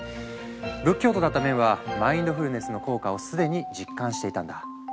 仏教徒だったメンはマインドフルネスの効果を既に実感していたんだ。